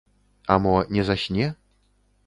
А мо не засне?